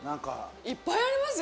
いっぱいありますよ